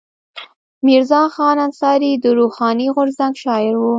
میرزا خان انصاري د روښاني غورځنګ شاعر و.